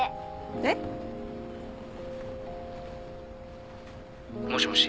えっ？もしもし。